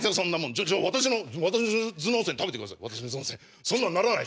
じゃ私の頭脳線食べてください。